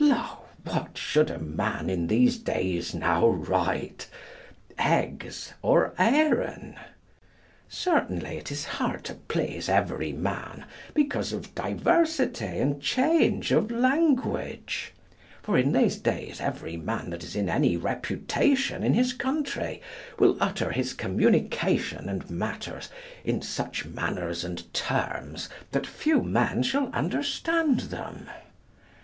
Lo, what should a man in these days now write, eggs or eyren? Certainly it is hard to please every man because of diversity and change of language. For in these days every man that is in any reputation in his country will utter his communication and matters in such manners and terms that few men shall understand them.